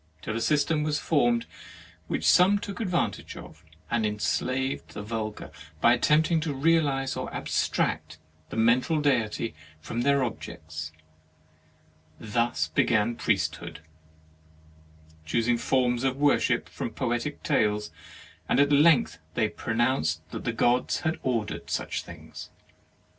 Till a system was formed, which some took advantage of and enslaved the vulgar by attempting to realize or abstract the mental deities from their objects. Thus began Priesthood. 20 HEAVEN AND HELL Choosing forms of worship from poetic tales. And at length they pro nounced that the Gods had ordered such things.